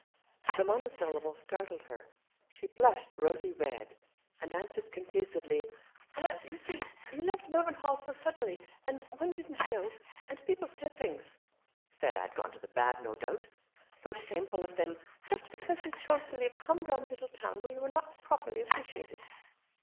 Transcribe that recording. The monosyllable startled her. She blushed rosy red, and answered confusedly — "Well, you see, you left Mervynhall so sud denly — and one didn't know — and people said things " "Said I had gone to the bad, no doubt." "So shameful of them — just because you chose to leave a humdrum little town where you were not properly appreciated."